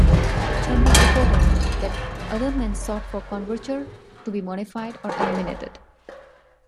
Chernock reported that other men sought for coverture to be modified or eliminated.